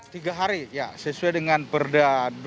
tiga hari ya sesuai dengan perdayaan